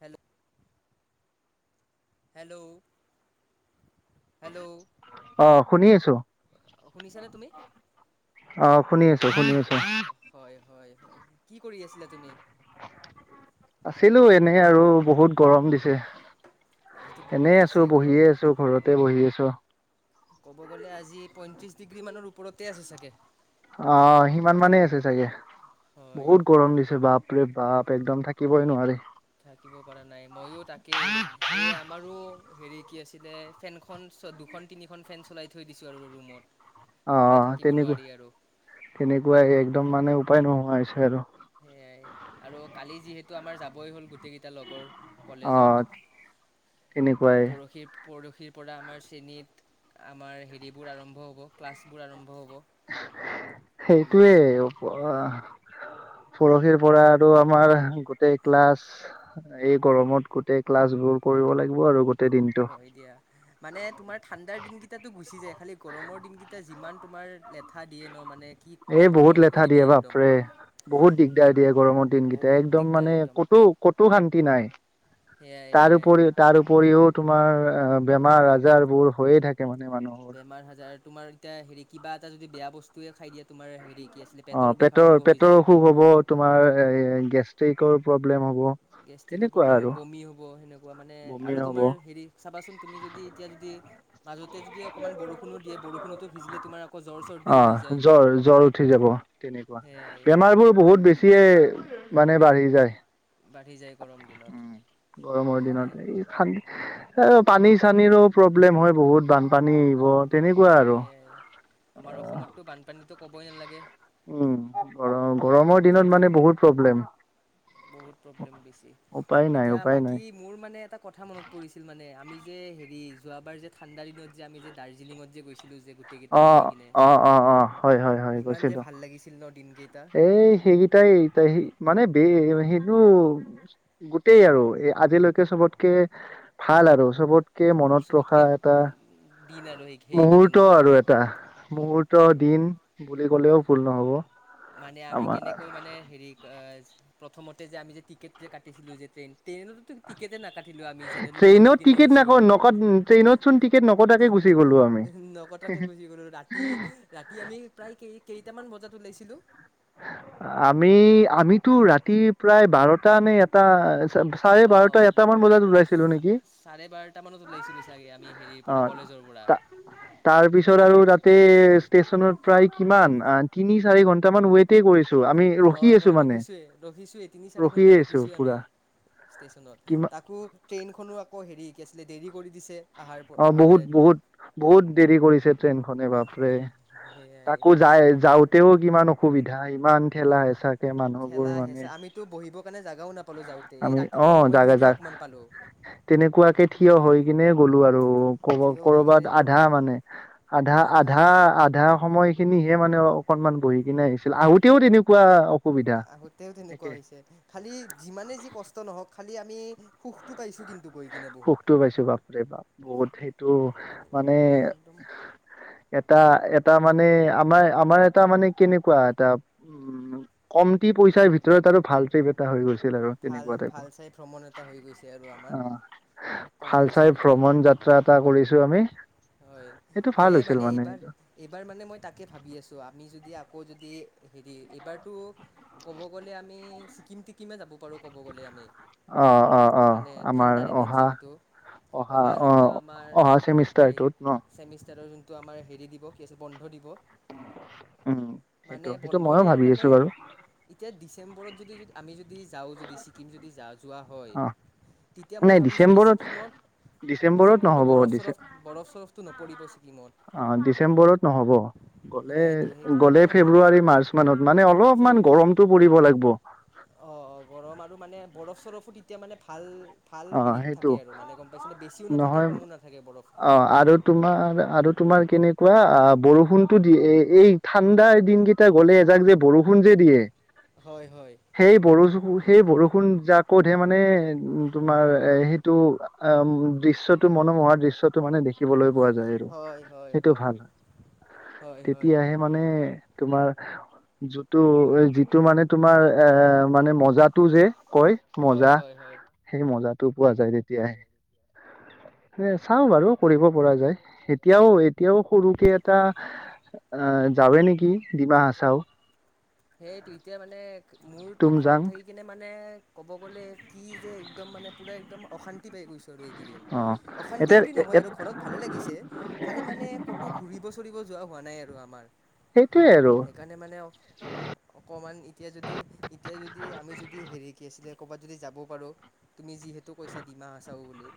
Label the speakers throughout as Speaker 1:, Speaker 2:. Speaker 1: Hello? Hello? Hello
Speaker 2: অ শুনি আছো
Speaker 1: শুনিছানে তুমি।
Speaker 2: আহ শুনি আছো শুনি আছো।
Speaker 1: হয় হয় হয় কি কৰি আছিলা তুমি।
Speaker 2: আছিলো এনে আৰু বহুত গৰম দিছে।
Speaker 1: আজিতো বহুত
Speaker 2: এনেই আছো
Speaker 1: বেছিয়ে গৰম।
Speaker 2: বহিয়ে আছো ঘৰতে বহি আছো।
Speaker 1: ক'ব গ'লে আজি পইয়ত্ৰিশ ডিগ্ৰী মানৰ ওপৰতে আছে চাগে।
Speaker 2: অ সিমান মানেই আছে চাগে
Speaker 1: হয়
Speaker 2: বহুত গৰম দিছে বাপ। ৰে বাপ একদম থাকিবই নোৱি।
Speaker 1: থাকিব পৰা নাই মইো তাকেই এই আমাৰো। হেৰি কি আছিলে ফেনখন চ দুখন তিনিখন ফেন চলাই থৈ দিছো আৰু ৰুমত।
Speaker 2: অ
Speaker 1: নহ'লে থাকিব নোৱাৰি আৰু
Speaker 2: তেনেকুৱা তেনেকুৱাই একদম মানে উপায় নোহোৱা হৈছে আৰু।
Speaker 1: সেইয়াই আৰু কালি যিহেতু আমাৰ যাবই হ'ল গোটেই কেইটা লগৰ
Speaker 2: অ
Speaker 1: কলেজত
Speaker 2: তেনেকুৱাই।
Speaker 1: পৰদশীৰ পৰা আমাৰ শ্ৰেণীত আমাৰ হেৰিবোৰ আৰম্ভ হ'ব ক্লাছবোৰ আৰম্ভ হ'ব।
Speaker 2: সেইটোৱে।
Speaker 1: কলেজৰ [inaudible]
Speaker 2: পৰহিৰ পৰা আৰু আমাৰ গোটেই ক্লাছ এই গৰমত গোটেই ক্লাছ বোৰ কৰিব লাগিব আৰু গ।
Speaker 1: হয় দিয়া মানে তোমাৰ ঠাণ্ডাৰ দিনকেইতাতো গুচি যায় খালি গৰমৰ দিনকেইটা যিমান। তোমাৰ লেঠা দিয়ে ন মানে। কি
Speaker 2: এ
Speaker 1: ক'ম
Speaker 2: বহুত
Speaker 1: আমনি
Speaker 2: লেঠা
Speaker 1: কৰি
Speaker 2: দিয়ে
Speaker 1: একদম
Speaker 2: বাপৰে। বহুত দিগদাৰ দিয়ে গৰমৰ দিনকেইটা
Speaker 1: বহুত
Speaker 2: একদম
Speaker 1: দিগদাৰ
Speaker 2: মানে
Speaker 1: একদম
Speaker 2: কতো কতো শান্তি নাই।
Speaker 1: সেয়াই সেয়াই
Speaker 2: তাৰপৰি তাৰ উপৰিও তোমাৰ বেমাৰ আজাৰ বোৰ হৈয়ে থাকে। মানে মানুহৰ
Speaker 1: বেমাৰ হাজাৰ তোমাৰ এতিয়া হেৰি কিবা এটা যদি বেয়া বস্তুয়ে খাই দিয়াত।
Speaker 2: অ পেটৰ, পেটৰ
Speaker 1: যাব
Speaker 2: অসুখ হ'ব তোমাৰ গেছ। কৰ প্ৰব্লেম হ'ব।
Speaker 1: গেষ্টিকৰ
Speaker 2: তেনেকুৱা
Speaker 1: প্ৰব্লেম হ'ব
Speaker 2: আৰু
Speaker 1: বমি হ'ব সেনেকুৱা মানে
Speaker 2: বমি
Speaker 1: আৰু
Speaker 2: হ'ব
Speaker 1: তোমাৰ হেৰি চাবাচোন তুমি যদি এতিয়া যদি। মাজতে যদি অকণমান বৰষুণ দিয়ে বৰষুণোিজিলে তোমাৰ আকৌ জ্বৰ।
Speaker 2: অ
Speaker 1: চৰ্দিও হৈ যায়
Speaker 2: জ্বৰ, জ্বৰ উঠি যাব তেনেকুৱা
Speaker 1: সেয়াই
Speaker 2: বেমাৰ বোৰ বহুত বেছিয়ে মানে বাঢ়ি যায়
Speaker 1: বাঢ়ি যায় গৰম দিনত
Speaker 2: উ গৰমৰ
Speaker 1: সেয়াই
Speaker 2: দিনত এই খান এ পানী চানীৰো প্ৰব্লেম হয় বহুত বানপানী। হ তেনেকুৱা আৰু।
Speaker 1: সেয়াই আমাৰ অসমতো বানপানীতো ক'বই নালাগে।
Speaker 2: উম গৰ গৰমৰ
Speaker 1: এতিয়াতো
Speaker 2: দিনত মানে বহুত প্ৰব্লেম।
Speaker 1: বহুত প্ৰব্লেম বেছি
Speaker 2: উপায় নাই
Speaker 1: এতিয়া
Speaker 2: উপায় নাই।
Speaker 1: বাকী মোৰ মানে এটা কথা মনত পৰিছিল মানে। আমি যে হেৰি যোৱাবাৰ যে ঠাণ্ডা দিনত যে আমি যে দাৰ্জিলিঙত যে গৈছো যে গোটেই কেইটাই
Speaker 2: অ',
Speaker 1: মিলি কিনে
Speaker 2: অ', অ', অ', হয়, হয়, হয়
Speaker 1: কিমান যে
Speaker 2: গৈছিলোঁ।
Speaker 1: ভাল লাগিছিল ন দিনকেইটা।
Speaker 2: এই সেইকেইটাই এ তাই স। মানে ব সেইটো গোটেই আৰু এ আজিলৈকে চবতকে ভাল। ভাল আৰু চবতকে মনত ৰখা
Speaker 1: চবতকে
Speaker 2: এটা।
Speaker 1: দিন আৰু সেই সেইকেইদিন
Speaker 2: মুহূৰ্ত
Speaker 1: মানে
Speaker 2: আৰু এটা মুহূৰ্ত দিন বুলি ক'লেও ভুল নহ'ব।
Speaker 1: মানে আমি
Speaker 2: আমাৰ
Speaker 1: কেনেকৈ মানে হেৰি প্ৰথমতে যে আমি যে টিকেট যে কাটিছিলো যে ট্ৰেইন ট্ৰেইনততো টিকেটে নাকাটিলো আমি চেনেদত উঠি
Speaker 2: ট্ৰেইনত
Speaker 1: কিনে
Speaker 2: টিকেট
Speaker 1: গুচি
Speaker 2: নাক
Speaker 1: গলো।
Speaker 2: নক ট্ৰেইনত চোন টিকেট নকটাকে গুচি গ'লো আমি।
Speaker 1: নকটাকে গুচি গলো ৰাতি, ৰাতি আমি প্ৰায় কেই কেইটামান বজাত। লৈাইছিলো।
Speaker 2: আমি আমিতো ৰাতি প্ৰায় বাৰটাানে এটা। চাৰে
Speaker 1: অঁ
Speaker 2: বাৰটা এটাামান বজাত ওলাইছিলো নেকি?
Speaker 1: চাৰে বাৰটা মানত ওলাইছিলো চাগে আমি হেৰিৰ
Speaker 2: অ
Speaker 1: পৰা কলেজৰ পৰা।
Speaker 2: তা- তাৰপিছত আৰু তাতে ষ্টেচনত প্ৰায় কিমান তিনি চাৰি ঘন্টামান ৱেট।
Speaker 1: হয় হয় ৰখিছোয়ে ৰখিছোেই তিনি চাৰি ঘন্টা
Speaker 2: ৰখিয়ে আছো
Speaker 1: ৰখিছোৱেই আমি।
Speaker 2: পুৰা
Speaker 1: ষ্টেচনত
Speaker 2: কিমান
Speaker 1: তাকো ট্ৰেইনখনো আকৌ হেৰি কি আছিলে দেৰি কৰি দিছে। আহাৰ
Speaker 2: অ
Speaker 1: আহোতে
Speaker 2: বহুত বহুত, বহুত দেৰি কৰিছে ট্ৰেইনখনে বাপৰে।
Speaker 1: সেয়াই
Speaker 2: তাকো যায় যাওঁতেও কিমান অসুবিধা, এই
Speaker 1: খেলা আহে আছে আমিতো বহিবৰ কাৰণে জাগাও নাপালো যাওঁতে এই
Speaker 2: আমি অ
Speaker 1: ৰাতিপুৱা
Speaker 2: জাগা জা
Speaker 1: সময়খিনিত। অকমান পালো।
Speaker 2: তেনেকুৱাকে থিয় হৈ কিনে গ'লো আৰু। ব
Speaker 1: থিয় হৈ কিনে
Speaker 2: কৰ'বাত আধা মানে আধা, আধা, আধা সময় খিনিহে মানে অকনমান বহি কি আহিছিল আহোঁতেও তেনেকুৱা। অসুবিধা
Speaker 1: আহোতেও তেনেকুৱা
Speaker 2: একে
Speaker 1: হৈছে খালি যিমানে যি কষ্ট নহওক খালি। আমি সুখটো পাইছো কিন্তু গৈ। কিনে বহুত
Speaker 2: সুখতটো পাইছো বাপৰে বাপ বহুত সেইটো
Speaker 1: মানে একদম
Speaker 2: এটা এটা মানে আমাৰ আমাৰ এটা মানে কেনেকুৱা এটা উ উ কমটি পইচাৰ ভিতৰত আৰু ভাল ট্ৰিপ এটা হৈ গৈছে।
Speaker 1: ভাল ভাল চাই ভ্ৰমণ এটা হৈ গৈছে আৰু
Speaker 2: অ
Speaker 1: আমাৰ। কম
Speaker 2: ভাল
Speaker 1: পইচাৰ
Speaker 2: চাই
Speaker 1: ভিতৰতে
Speaker 2: ভ্ৰমণ যাত্ৰা এটা কৰিছো আমি।
Speaker 1: হয়
Speaker 2: সেইটো ভাল
Speaker 1: সেইয়াই
Speaker 2: হৈছিল
Speaker 1: মানে এইবাৰ এইবাৰ মানে মই তাকে ভাবি আছো আমি যদি আকৌ যদি হেৰি এইবাৰতো ক'ব গ'লে আমি ছিকিম টিকিমে যাব বাৰু ক'ব গ'লে আমি।
Speaker 2: অ অ অ
Speaker 1: মানে
Speaker 2: আমাৰ
Speaker 1: ঠাণ্ডা দিনত
Speaker 2: অহা
Speaker 1: যিহেতু অহা যোনটো আমাৰ
Speaker 2: অহা
Speaker 1: হেৰি
Speaker 2: চেমিষ্টাৰটোত ন
Speaker 1: চেমিষ্টাৰৰ তো আমাৰ হেৰি দিব কি আছে বন্ধ দিব।
Speaker 2: উম [unintelligible]
Speaker 1: মানে
Speaker 2: সেইটো সেইটো
Speaker 1: বন্ধ
Speaker 2: ময়ো
Speaker 1: দিয়াৰ
Speaker 2: ভাবি
Speaker 1: মানে
Speaker 2: আছো বাৰু
Speaker 1: এতিয়া ডিচেম্বৰত যদি আমি যদি যাওঁ যদি ছিকিম যদি যা যোৱা হয়।
Speaker 2: অ
Speaker 1: তেতিয়া মই
Speaker 2: নাই
Speaker 1: ভাবিছোঁ কি
Speaker 2: ডিচেম্বৰত
Speaker 1: ছিকিমত
Speaker 2: ডিচেম্বৰত
Speaker 1: ডিচেম্বৰতটো
Speaker 2: নহ'ব
Speaker 1: বৰফ-
Speaker 2: ডিচে
Speaker 1: চৰফ, বৰফ -চৰফটো নপ
Speaker 2: অ ডিচেম্বৰত নহব। গ'লে
Speaker 1: সেয়াইতো
Speaker 2: গ'লে
Speaker 1: সেইকাৰণে
Speaker 2: ফেব্ৰুৱাৰী মাৰ্চ মানত মানে অলপমান গৰমতটো পৰিব লাগিব।
Speaker 1: অ অ গৰম আৰু মানে বৰফ- চৰফো তেতিয়া মানে ভাল ভাল
Speaker 2: অ
Speaker 1: হেৰিত
Speaker 2: সেইটো
Speaker 1: থাকে আৰু মানে গম পাইছে নে বেছিও নাথাকে
Speaker 2: নহয়
Speaker 1: কমো নাথাকে বৰফটো।
Speaker 2: অ আৰু তোমাৰ আৰু তোমাৰ কেনেকুৱা অ বৰষুণতো দিয়ে এই ঠাণ্ডাৰ দিন কেইটা গলে এজাক যে বৰষুণ যে দিয়ে
Speaker 1: হয় হয়
Speaker 2: সেই বৰো সেই বৰষুণ যাক কতহে মানে উ তোমাৰ এ সেইটো অ দৃশ্যটো মনোমোহাৰ দৃশ্যটো মানে দেখিবলৈ পোৱা যায় আৰু,
Speaker 1: হয় হয়
Speaker 2: সেইটো ভাল হয়
Speaker 1: হয় হয়
Speaker 2: তেতিয়াহে মানে তোমাৰ যিটো যিটো মানে তোমাৰ এ মানে মজাটো যে কয় মজা।
Speaker 1: হয় হয় হয়
Speaker 2: লো পোৱা যায় তেতিয়াহে। উ [unintelligible] চাওঁ বাৰু কৰিব পৰা যায়, এতিয়াও এতিয়াও সৰুকে এটা অ যাওঁৱে নেকি ডিমা হাছাও?
Speaker 1: সেইটো এতিয়া মানে মোৰতো ঘৰত
Speaker 2: তুমজাং
Speaker 1: থাকি কিনে মানে ক'ব গ'লে কি যে একদম মানে পূৰা একদম অশান্তি পাই গৈছো ৰেই।
Speaker 2: অ
Speaker 1: অশান্তি
Speaker 2: এতিয়া
Speaker 1: বুলি নহয় আৰু ঘৰত ভালে লাগিছে, খালি মানে ক'তো ঘূৰিব চৰিব যোৱা হোৱা নাই আৰু। আমাৰ,
Speaker 2: সেইটোয়ে আৰু
Speaker 1: সেইকাৰণে মানে অকমান এতিয়া যদি এতিয়া যদি আমি যদি হেৰি কি আছিলে ক'ৰবাত যদি যাব পাৰোঁ তুমি যিহেতু কৈছা ডিমাহাছাও বুলি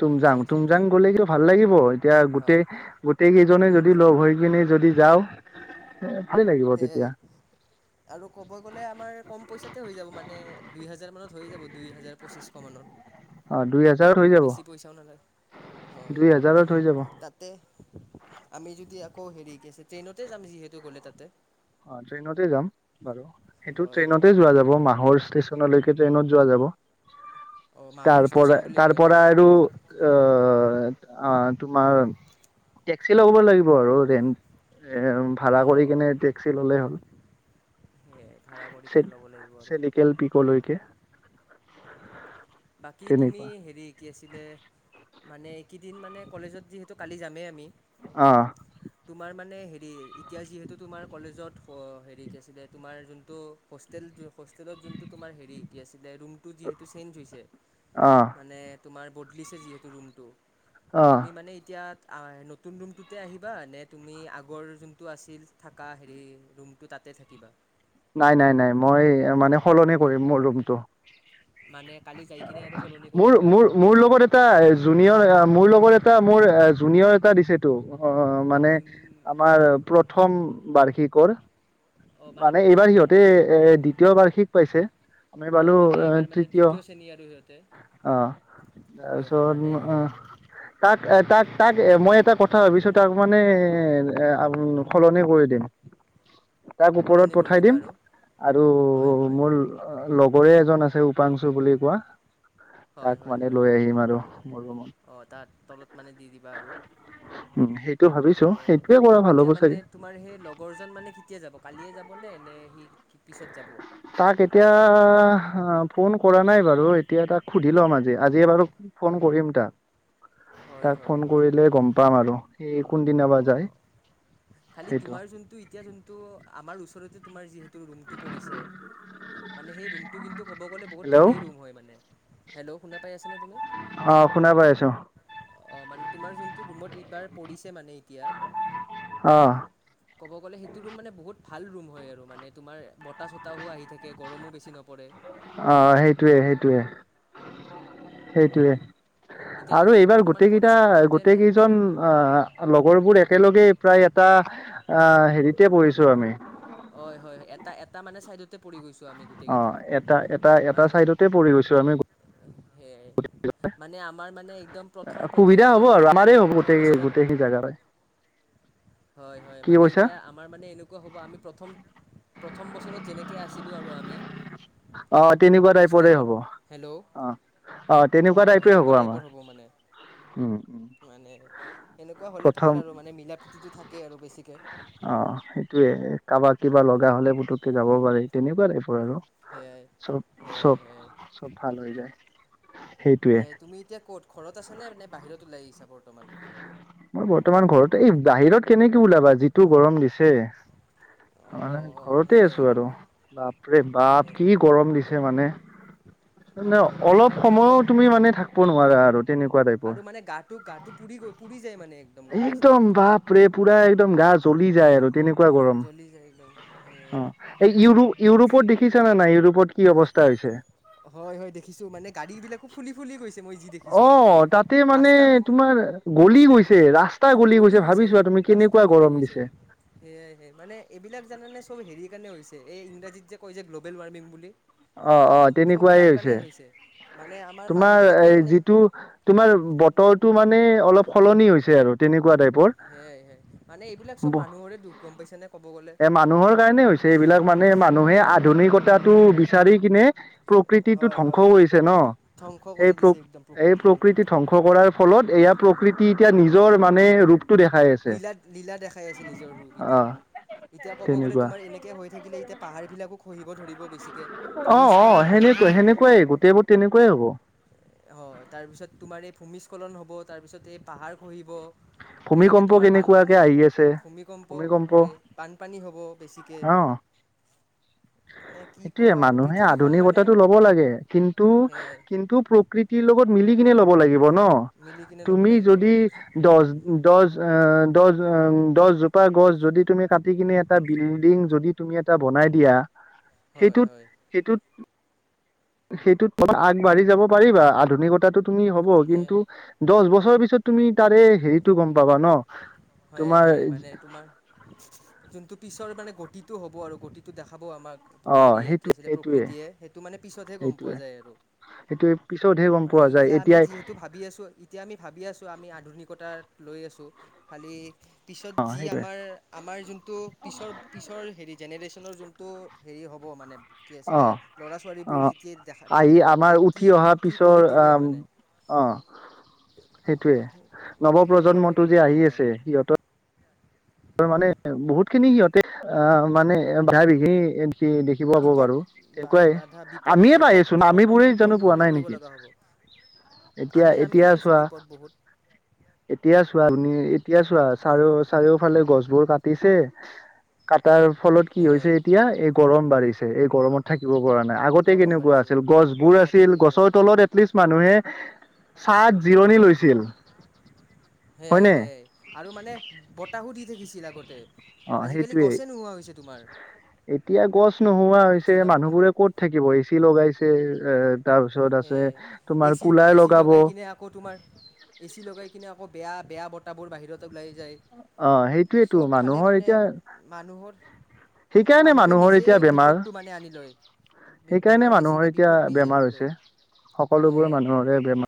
Speaker 2: তুমজাং, তুমজাং গ'লে কিয় ভাল লাগিব, এতিয়া
Speaker 1: হা
Speaker 2: গোটেই গোটেই কেইজনে যদি
Speaker 1: তুমজাং
Speaker 2: ল'গ হৈ কিনে যদি যাওঁ ভালেই লাগিব
Speaker 1: সেইয়াই
Speaker 2: তেতিয়া
Speaker 1: আৰু ক'ব গ'লে আমাৰ ক'ম পইচাতে হৈ যাব মানে দুই হাজাৰ মানত হৈ যাব দুই হাজাৰ পঁচিছশ মানত
Speaker 2: অ দুই হাজাৰত হৈ যাব
Speaker 1: বেছি পইচাও নালাগে। হয়
Speaker 2: দুই হাজাৰত হৈ যাব
Speaker 1: তাতে আমি যদি আকৌ হেৰি কি আছে ট্ৰেইনতে যাম যিহেতু গ'লে তাতে।
Speaker 2: অ ট্ৰেইনতে যাম বাৰু সেইটো
Speaker 1: হয়
Speaker 2: ট্ৰেইনতে
Speaker 1: হয়
Speaker 2: যোৱা যাব মাহৰ ষ্টেচন লৈকে ট্ৰেনত যোৱা যাব
Speaker 1: অঁ মাহুৰ
Speaker 2: তাৰ
Speaker 1: ষ্টেচন
Speaker 2: পৰা
Speaker 1: বুলি
Speaker 2: তাৰ
Speaker 1: কয় ন
Speaker 2: পৰা আৰু আহ অ তোমাৰ টেক্সি লব লাগিব আৰু ৰেন এ ভাড়া
Speaker 1: অঁ
Speaker 2: কৰি
Speaker 1: অঁ
Speaker 2: কেনে টেক্সি ললেই হ'ল।
Speaker 1: সেয়াই ভাড়া কৰি কিনে ল'ব লাগিব আৰু
Speaker 2: চেলিকেল পিক'লৈকে।
Speaker 1: বাকী তুমি
Speaker 2: তেনেকুৱা
Speaker 1: হেৰি কি আছিলে মানে এই কেইদিন মানে কলেজত যিহেতু কালি যামেই আমি
Speaker 2: আহ
Speaker 1: তোমাৰ মানে হেৰি এতিয়া যিহেতু তোমাৰ কলেজত হ হেৰি কি আছিলে তোমাৰ যোনটো হোষ্টেল-হ হোষ্টেলত যোনটো তোমাৰ হেৰি, কি আছিলে? ৰুমটো যিহেতু চেঞ্জ হৈছে।
Speaker 2: অ
Speaker 1: মানে তোমাৰ বদলিছে যিহেতু ৰুমটো,
Speaker 2: অ
Speaker 1: তুমি মানে এতিয়া আ নতুন ৰুমটোতে আহিবা নে, তুমি আগৰ যোনটো আছিল থাকা হেৰি ৰুমটো তাত তাতে থাকিবা।
Speaker 2: নাই-নাই-নাই মই মানে সলনি কৰিম, মোৰ ৰুমটো।
Speaker 1: মানে কালি যাই কিনে আৰু সলনি কৰি দিবা আৰু
Speaker 2: মোৰ-মোৰ-মোৰ লগত এটা জুনিয়ৰ, মোৰ লগত এটা মোৰ জুনিয়ৰ এটা দিছেটো, অ, মানে
Speaker 1: যোন
Speaker 2: আমাৰ প্ৰথম বাৰ্ষিকৰ
Speaker 1: অ মানে প্ৰথম
Speaker 2: এইবাৰ সিহঁতে এ দ্বিতীয় বাৰ্ষিক পাইছে, আমি
Speaker 1: অ
Speaker 2: পালোঁ
Speaker 1: মানে এইবাৰ মানে
Speaker 2: তৃতীয়।
Speaker 1: দ্বিতীয় শ্ৰেণী আৰু সিহঁতে।
Speaker 2: অহ,
Speaker 1: হয় হয় মানে
Speaker 2: তাৰপিছত
Speaker 1: সেই
Speaker 2: অহ, তাক এই তাক তাক এ মই এটা কথা ভাবিছো, তাক মানে সলনি কৰি দিম।
Speaker 1: [inaudible]
Speaker 2: তাক ওপৰত
Speaker 1: কৰি
Speaker 2: পঠাই
Speaker 1: দিবা
Speaker 2: দিম।
Speaker 1: আৰু
Speaker 2: আৰু
Speaker 1: হয় হয়
Speaker 2: মোৰ লগৰে এজন আছে, উপাংশু বুলি কোৱা। তাক মানে
Speaker 1: হয়-হয়-হয়
Speaker 2: লৈ আহিম আৰু মোৰ ৰুমত
Speaker 1: অ, তাত তলত মানে দি দিবা আৰু
Speaker 2: উম সেইটো ভাবিছো
Speaker 1: এ
Speaker 2: সেইটোয়ে কৰা ভাল
Speaker 1: এতিয়া
Speaker 2: হ'ব
Speaker 1: মানে
Speaker 2: চাগে
Speaker 1: তোমাৰ সেই লগৰজন মানে, কেতিয়া যাব কালিয়ে যাব নে? এনে সি পিছত যাব।
Speaker 2: তাক এতিয়া ফোন কৰা নাই বাৰু, এতিয়া তাক সুধি লম আজি-আজি বাৰু ফোন কৰিম
Speaker 1: হয়
Speaker 2: তাক-তাক
Speaker 1: হয়
Speaker 2: ফোন
Speaker 1: হয়
Speaker 2: কৰিলে গম পাম আৰু। সি কোনদিনা বা
Speaker 1: অ,
Speaker 2: যায়
Speaker 1: খালি
Speaker 2: সেইটো
Speaker 1: তোমাৰ যোনটো এতিয়া যোনটো আমাৰ ওচৰতে তোমাৰ যিহেতু ৰুমটো পৰিছে, মানে সেই ৰুমটো কিন্তু ক'ব গ'লে বহুত
Speaker 2: হেল্ল'
Speaker 1: ভালেই ৰুম হয় মানে। হেল্ল' শুনা পাই আছেনে তুমি?
Speaker 2: অহ, শুনা পাই আছো।
Speaker 1: অ, মানে তোমাৰ যোনটো ৰুমত এইবাৰ পৰিছে মানে এতিয়া
Speaker 2: অ
Speaker 1: ক'ব গ'লে সেইটো ৰুম মানে বহুত ভাল ৰুম হয় আৰু মানে তোমাৰ বতাহ- চতাহো আহি থাকে, গৰমো বেছি নপৰে
Speaker 2: অহ, সেইটোৱে-সেইটোৱে-সেইটোৱে
Speaker 1: হয় এতিয়া
Speaker 2: আৰু
Speaker 1: তুমি
Speaker 2: এইবাৰ
Speaker 1: বৰ্তমান
Speaker 2: গোটেই
Speaker 1: ক'ত
Speaker 2: কেইটা,
Speaker 1: আছা ঘৰতে
Speaker 2: গোটেই
Speaker 1: নে
Speaker 2: কেইজন আহ লগৰবোৰ একেলগে প্ৰায় এটা অ, হেৰিতে পৰিছো আমি
Speaker 1: হয়-হয়, এটা-এটা মানে চাইডতে পৰি গৈছো।
Speaker 2: অ, এটা-এটা-এটা চাইডতে পৰি গৈছো আমি।
Speaker 1: সেইয়া মানে আমাৰ মানে একদম,
Speaker 2: সুবিধা
Speaker 1: প্ৰথম-প্ৰথমতে
Speaker 2: হ'ব আৰু
Speaker 1: যেনেকে
Speaker 2: আমাৰে
Speaker 1: আমি
Speaker 2: হ'ব
Speaker 1: প্ৰথম
Speaker 2: গোটেই
Speaker 1: বছৰত
Speaker 2: গোটেইখিনি জেগাৰে
Speaker 1: হয়-হয়
Speaker 2: কি
Speaker 1: মানে
Speaker 2: কৈছা
Speaker 1: এতিয়া আমাৰ মানে এনেকুৱা হ'ব আমি প্ৰথম প্ৰথম বছৰত যেনেকে আছিলোঁ আৰু আমি
Speaker 2: অ, তেনেকুৱা টাইপৰে
Speaker 1: হোষ্টেলত
Speaker 2: হ'ব। অ-অ
Speaker 1: অ, সেনেকুৱা টাইপৰ হ'ব মানে।
Speaker 2: উম উম
Speaker 1: মানে এনেকুৱা হ'লে
Speaker 2: প্ৰথম
Speaker 1: ভাল আৰু, মানে মিলা প্ৰীতিটো থাকে আৰু বেছিকে
Speaker 2: অ, সেইটোয়ে কাৰোবাক কিবা লগা হ'লে পুতুকে যাব পাৰি, তেনেকুৱা তাইপৰ আৰু
Speaker 1: সেয়াই সেয়াই সেয়াই
Speaker 2: চব-চব-চব, ভাল হৈ যায়। সেইটোয়ে
Speaker 1: সেইয়া, তুমি এতিয়া ক'ত ঘৰত আছা নে-নে বাহিৰত ওলাই আহিচা ব
Speaker 2: মই বৰ্তমান ঘৰতে। এই বাহিৰত কেনেকে ওলাবা যিটো গৰম দিছে।
Speaker 1: অ',
Speaker 2: মই মানে
Speaker 1: অ',
Speaker 2: ঘৰতে
Speaker 1: সেয়াই
Speaker 2: আছো আৰু বাপৰে-বাপ কি গৰম দিছে মানে
Speaker 1: উ [inaudible]
Speaker 2: ন অলপ সময়ো তুমি মানে থাকিব নোৱাৰা আৰু তেনেকুৱা টাইপৰ
Speaker 1: আৰু মানে গাটো গাটো পুৰি গ'ল, পুৰি যায়, মানে একদম গম পাইছা নে।
Speaker 2: বাপৰে পুৰা একদম গা চলি যায় আৰু তেনেকুৱা গৰম
Speaker 1: জ্বলি যায় একদম
Speaker 2: অ
Speaker 1: সেয়াই।
Speaker 2: এই ইউৰোপ ইউৰোপত দেখিছানে নাই ইউৰোপত, কি অৱস্থা হৈছে,
Speaker 1: হয় হয় দেখিছো মানে গাড়ী বিলাকো ফুলি ফুলি গৈছে, মই যি
Speaker 2: অ
Speaker 1: দেখিছোঁ।
Speaker 2: তাতে মানে
Speaker 1: ৰাস্তা
Speaker 2: তোমাৰ গলি গৈছে ৰাস্তা গলি গৈছে ভাবিছোৱা তুমি, কি কেনেকুৱা গৰম দিছে।
Speaker 1: সেয়াইে সে মানে এইবিলাক জানে চব হেৰি কাৰণে হৈছে এই ইংৰাজীত যে কৈ যে গ্ল'বেল ৱাৰ্মিং বুলি।
Speaker 2: অ অ
Speaker 1: চব
Speaker 2: তেনেকুৱাই
Speaker 1: তাৰ
Speaker 2: হৈছে
Speaker 1: কাৰণেই মানে আমাৰ
Speaker 2: তোমাৰ
Speaker 1: মানুহবিলাকে
Speaker 2: এই
Speaker 1: মানে
Speaker 2: যিটো তোমাৰ বতৰ টো মানে অলপ সলনি হৈছে আৰু তেনেকুৱা টাইপ
Speaker 1: সেয়াই সেয়াই মানে এইবিলাক চব মানুহৰে দুখ গম পাইছেনে ক'ব গ'লে
Speaker 2: মানুহৰ কাৰণে হৈছে। মানে
Speaker 1: চব
Speaker 2: মানুহে
Speaker 1: মানুহৰ কাৰণে
Speaker 2: আধুনিকতাটো বিচাৰি কিনে প্ৰকৃতিটো
Speaker 1: হয়
Speaker 2: ধ্বংস
Speaker 1: হয়
Speaker 2: কৰিছে ন
Speaker 1: ধ্বংস
Speaker 2: এই
Speaker 1: কৰি
Speaker 2: প্ৰ
Speaker 1: দিছে একদম
Speaker 2: এই
Speaker 1: প্ৰকৃতিটো
Speaker 2: প্ৰকৃতি ধ্বংস কৰাৰ, ফলত এয়া প্ৰকৃতি এতিয়া নিজ মানে ৰূপটো দেখা।
Speaker 1: লীলা লীলা দেখাই আছে নিজৰ ৰূপ এতিয়া
Speaker 2: অ'
Speaker 1: এতিয়া ক'ব গ'লে
Speaker 2: তেনেকুৱা
Speaker 1: তোমাৰ এনেকে হৈ থাকিলে এতিয়া পাহাৰ বিলাকো খহিব ধৰিব। বেছিকৈ
Speaker 2: অ অ
Speaker 1: ভূমিস্খলন হয়
Speaker 2: সেনেকুৱা সেনেকুৱাই গোটেইবোৰ তেনেকুৱাই হ'ব।
Speaker 1: হয় তাৰপিছত তোমাৰ এই ভূমিস্খলন হ'ব, তাৰপিছত এই পাহাৰ খহিব, সেনেকৈ
Speaker 2: ভূমিকম্প
Speaker 1: তোমাৰ
Speaker 2: কেনেকুৱাকে
Speaker 1: বানপানী,
Speaker 2: আহি আছে
Speaker 1: ভূমিকম্প হয় বানপানী হ'ব বেছিকৈ।
Speaker 2: অ'
Speaker 1: [unintelligible]
Speaker 2: সেইটোয়ে
Speaker 1: ক'বা আৰু
Speaker 2: মানুহে
Speaker 1: পৃথিৱীখন মানে
Speaker 2: আধুনিকতাটো ল'ব লাগে কিন্তু
Speaker 1: সেয়াই
Speaker 2: কিন্তু প্ৰকৃতি, লগত মিলি কিনে ল'ব লাগিব ন
Speaker 1: মিলি কিনে ল'ব
Speaker 2: তুমি
Speaker 1: লাগিব
Speaker 2: যদি
Speaker 1: সেয়াই
Speaker 2: দহ দহ দহ দহজোপা গছ যদি তুমি কাটি কিনে এটা বিল্ডিং যদি তুমি এটা বনাই দিয়া
Speaker 1: হয়
Speaker 2: সেইটোত
Speaker 1: হয়
Speaker 2: সেইটোত সেইটোত অল আগবাঢ়ি যাব পাৰিবা আধুনিকতাটোত। তুমি হ'ব কিন্তু
Speaker 1: সেয়াই
Speaker 2: দহ বছৰৰ পিছত তুমি তাৰে হেৰিটো গম পাবা ন,
Speaker 1: হয়
Speaker 2: তোমাৰ
Speaker 1: সে মানে তোমাৰ যোনটো পিছৰ মানে গতিটো হ'ব আৰু গতিটো দেখাব আমাক,
Speaker 2: অ
Speaker 1: হেৰিয়ে কি
Speaker 2: সেইটো
Speaker 1: আছিলে
Speaker 2: সেইটোৱে
Speaker 1: প্ৰকৃতিয়ে সেইটো মানে পিছতহে গম পোৱা
Speaker 2: সেইটোৱে
Speaker 1: যায় আৰু
Speaker 2: সেইটোৱে পিছতহে গম
Speaker 1: মানে
Speaker 2: পোৱা যায়
Speaker 1: এতিয়া আমি
Speaker 2: এতিয়াই
Speaker 1: যিহেতু ভাবি আছো এতিয়া আমি ভাবি আছো আমি আধুনিকতাত লৈ আছোঁ খালী পিছত
Speaker 2: অ
Speaker 1: যি
Speaker 2: সেইটোৱে
Speaker 1: আমাৰ আমাৰ যোনটো পিছৰ পিছৰ হেৰি জেনেৰেচন যোনটো হেৰি হ'ব মানে, কি
Speaker 2: অ
Speaker 1: আছিলে ল'ৰা
Speaker 2: অ
Speaker 1: ছোৱালীবোৰ যেতিয়া দেখা
Speaker 2: আহি
Speaker 1: দেখিব
Speaker 2: আমাৰ
Speaker 1: যে
Speaker 2: উঠি
Speaker 1: কি
Speaker 2: অহা
Speaker 1: কি
Speaker 2: পিছৰ
Speaker 1: কৰি দিলে
Speaker 2: আহ
Speaker 1: মানে
Speaker 2: অ সেইটোৱে
Speaker 1: সেনেকুৱা
Speaker 2: নৱপ্ৰজন্মটো
Speaker 1: টাইপৰ
Speaker 2: যে
Speaker 1: হ'ব
Speaker 2: আহি
Speaker 1: মানে
Speaker 2: আছে সিহঁতৰ, ত মানে বহুত খিনি সিহঁতে আহ মানে ভাই বিহিনি, দেখিব পাব
Speaker 1: বিপদ
Speaker 2: বাৰু তেনেকুৱাই
Speaker 1: বাধা বিপদ
Speaker 2: আমিয়ে
Speaker 1: বিপদ
Speaker 2: পাইছোন
Speaker 1: বিপদ
Speaker 2: আমিবোৰে জানো পোৱা
Speaker 1: সন্মুখীন
Speaker 2: নাই
Speaker 1: কৰিব
Speaker 2: নেকি?
Speaker 1: লগা হ'ব
Speaker 2: এতিয়া
Speaker 1: আমি আমিও
Speaker 2: এতিয়া
Speaker 1: পাইছোঁ
Speaker 2: চোৱা
Speaker 1: বিপদ বহুত
Speaker 2: এতিয়া চোৱা তুমি এতিয়া ছোৱা চাৰি
Speaker 1: সেয়াই
Speaker 2: চাৰিওফালে গছবোৰ কাটিছে, তাৰ ফলত কি
Speaker 1: সেয়াই
Speaker 2: হৈছে এতিয়া এই গৰম বাঢ়িছে এই গৰমত থাকিব। নাই আগতে
Speaker 1: গৰম
Speaker 2: কেনেকুৱা
Speaker 1: বাঢ়িছে
Speaker 2: আছিল গছবোৰ
Speaker 1: গৰমত
Speaker 2: আছিল
Speaker 1: থাকিব পৰা
Speaker 2: গছৰ
Speaker 1: নাই
Speaker 2: তলত এটলিষ্ট মানুহে। ছাহ, জিৰণি লৈছিল।
Speaker 1: সেয়াই
Speaker 2: হয়নে
Speaker 1: সেয়াই আৰু মানে বতাহো দি থাকিছিল আগতে,
Speaker 2: অ
Speaker 1: আজিকালি
Speaker 2: সেইটোৱে
Speaker 1: গছে নোহোৱা হৈছে তোমাৰ
Speaker 2: এতিয়া গছ নোহোৱা হৈছে
Speaker 1: জিৰাবৰ কাৰণে
Speaker 2: মানুহবোৰে ক'ত থাকিব এ চি লগাইছে এ। তাৰপিছত
Speaker 1: সে
Speaker 2: আছে তোমাৰ
Speaker 1: এচি
Speaker 2: কুলাৰ
Speaker 1: এচি
Speaker 2: লগাব
Speaker 1: লগাই কিনে আকৌ তোমাৰ এচি লগাই কিনে আকৌ বেয়া। বেয়া বতটাবোৰ বাহিৰত ওলাই। যায়
Speaker 2: অ সেইটোৱেটো
Speaker 1: চব ফালে
Speaker 2: মানুহৰ
Speaker 1: মানে
Speaker 2: এতিয়া
Speaker 1: মানুহৰ
Speaker 2: সেইকাৰণে
Speaker 1: মানুহে
Speaker 2: মানুহৰ
Speaker 1: নিজে
Speaker 2: এতিয়া বেমাৰ
Speaker 1: বিপদটো মানে আনি লয়।
Speaker 2: সেইকাৰণে
Speaker 1: বেমাৰ
Speaker 2: মানুহৰ
Speaker 1: বেছিকৈ
Speaker 2: এতিয়া
Speaker 1: বিপদ নিজে
Speaker 2: বেমাৰ
Speaker 1: আনি লয়
Speaker 2: হৈছে সকলোবোৰে
Speaker 1: সেয়াই সেয়াই
Speaker 2: মানুহৰে বেমাৰ।